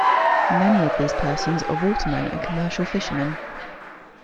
Many of these persons are watermen and commercial fishermen.